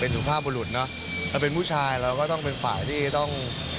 สุภาพบุรุษเนอะเราเป็นผู้ชายเราก็ต้องเป็นฝ่ายที่ต้อง